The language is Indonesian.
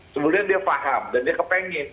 sebenarnya dia paham dan dia kepengen